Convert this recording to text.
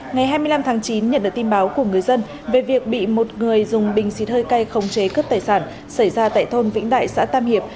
ngày hai mươi năm tháng chín nhận được tin báo của người dân về việc bị một người dùng bình xịt hơi cay khống chế cướp tài sản xảy ra tại thôn vĩnh đại xã tam hiệp